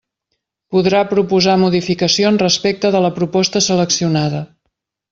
Podrà proposar modificacions respecte de la proposta seleccionada.